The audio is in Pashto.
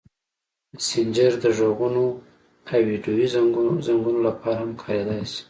مسېنجر د غږیزو او ویډیويي زنګونو لپاره هم کارېدلی شي.